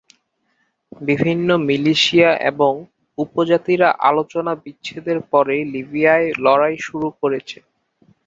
বিভিন্ন মিলিশিয়া এবং উপজাতিরা আলোচনার বিচ্ছেদের পরে লিবিয়ায় লড়াই শুরু করেছে।